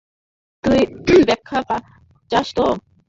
তুই ব্যাখ্যা চাস তো?